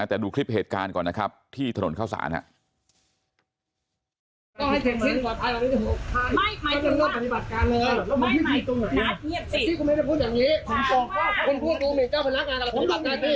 แต่ดูคลิปเหตุการณ์ก่อนนะครับที่ถนนเข้าสารครับ